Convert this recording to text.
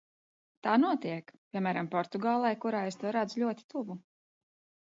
Tā notiek, piemēram, Portugālē, kurā es to redzu ļoti tuvu.